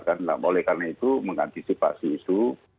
karena itu mengantisipasi itu